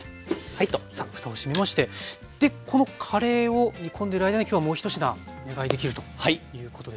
さあふたを閉めましてでこのカレーを煮込んでる間に今日はもう一品お願いできるということですね。